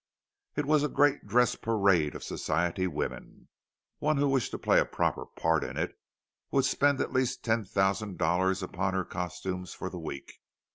It was a great dress parade of society women. One who wished to play a proper part in it would spend at least ten thousand dollars upon her costumes for the week.